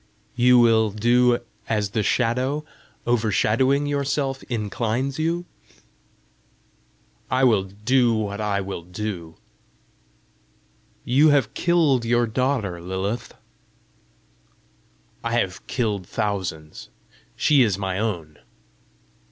"You will do as the Shadow, overshadowing your Self inclines you?" "I will do what I will to do." "You have killed your daughter, Lilith!" "I have killed thousands. She is my own!"